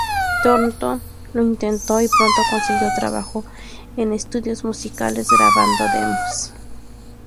Thornton lo intentó y pronto consiguió trabajo en estudios musicales grabando demos.